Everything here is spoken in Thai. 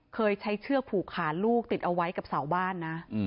เคยใช้เชือกผูกขาลูกติดเอาไว้กับเสาบ้านนะ